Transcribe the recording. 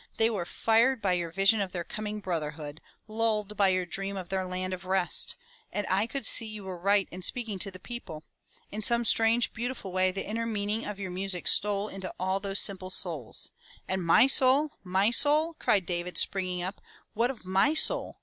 They were fired by your vision of their coming brotherhood, lulled by your dream of their land of rest. And I could see you were right in speaking to the people. In some strange beautiful way the inner meaning of your music stole into all those simple souls —" "And my soul, my soul!" cried David springing up. "What of my soul?